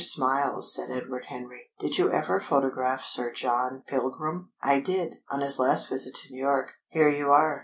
Smiles," said Edward Henry, "did you ever photograph Sir John Pilgrim?" "I did, on his last visit to New York. Here you are!"